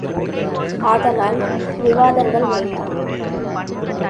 ஆதலால், விவாதங்கள், வேண்டாம்!